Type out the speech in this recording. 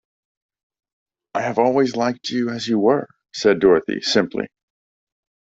"I have always liked you as you were," said Dorothy, simply.